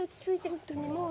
本当にもう。